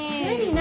何？